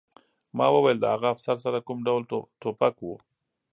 ما وویل د هغه افسر سره کوم ډول ټوپک و